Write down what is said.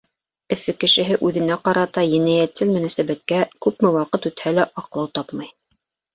Өфө кешеһе үҙенә ҡарата енәйәтсел мөнәсәбәткә күпме ваҡыт үтһә лә аҡлау тапмай.